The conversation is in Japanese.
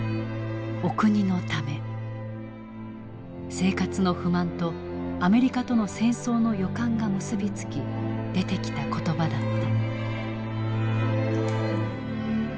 生活の不満とアメリカとの戦争の予感が結び付き出てきた言葉だった。